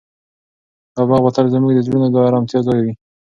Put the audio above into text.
دا باغ به تل زموږ د زړونو د ارامتیا ځای وي.